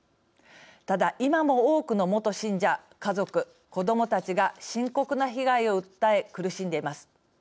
ただ、今も多くの元信者、家族子どもたちが深刻な被害を訴え苦しんでいます。